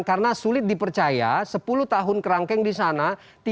karena sulit dipercaya sepuluh tahun kerangkeng di sana